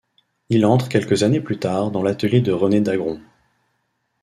Il entre quelques années plus tard dans l'atelier de René Dagron.